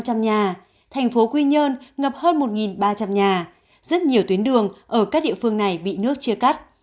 thành phố quy nhơn ngập hơn một ba trăm linh nhà rất nhiều tuyến đường ở các địa phương này bị nước chia cắt